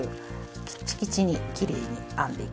きっちきちにきれいに編んでいきます。